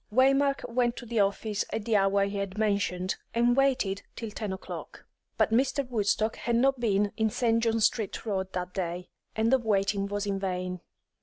Waymark went to the office at the hour he had mentioned, and waited till ten o'clock. But Mr. Woodstock had not been in St. John Street Road that day, and the waiting was in vain.